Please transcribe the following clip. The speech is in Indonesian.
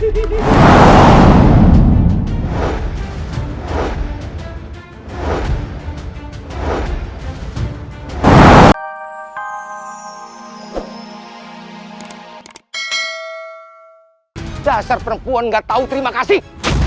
dasar perempuan gak tahu terima kasih